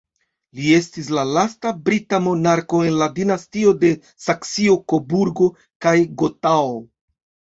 Li estis la lasta brita monarko el la dinastio de Saksio-Koburgo kaj Gotao.